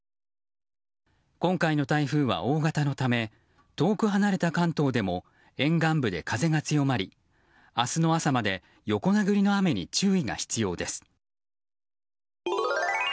今回の台風は大型のため遠く離れた関東でも沿岸部で風が強まり明日の朝まで横殴りの雨に注意が必要です。